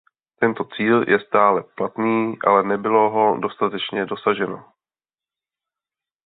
Tento cíl je stále platný, ale nebylo ho dostatečně dosaženo.